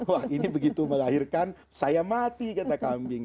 wah ini begitu melahirkan saya mati kata kambing